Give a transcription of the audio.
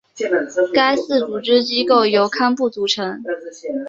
该寺组织机构由堪布组成。